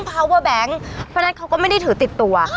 เพราะฉะนั้นเขาก็ไม่ได้ถือติดตัว